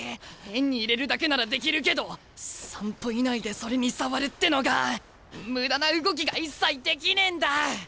円に入れるだけならできるけど３歩以内でそれに触るってのが無駄な動きが一切できねえんだ！